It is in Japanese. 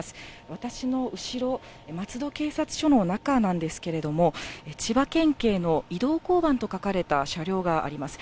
私の後ろ、松戸警察署の中なんですけれども、千葉県警の移動交番と書かれた車両があります。